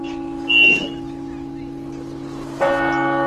他们来自俄亥俄州。